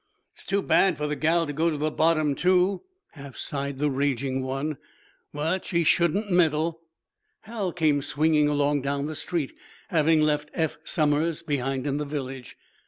"It's too bad for the gal to go to the bottom, too," half sighed the raging one. "But she shouldn't meddle." Hal came swinging along down the street, having left Eph Somers behind in the village.